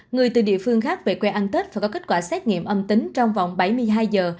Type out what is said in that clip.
người từ địa phương khác về quê ăn tết và có kết quả xét nghiệm âm tính trong vòng bảy mươi hai giờ